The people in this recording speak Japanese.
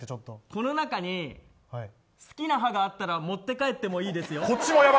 この中に、好きな歯があったら持って帰っていいですよ。